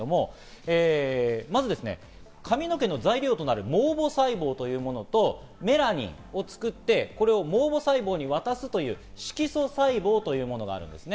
まず髪の毛の材料となる毛母細胞というものと、メラニンを作って毛母細胞に渡すという色素細胞というものがあるんですね。